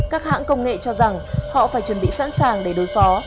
các hãng công nghệ cho rằng họ phải chuẩn bị sẵn sàng để đối phó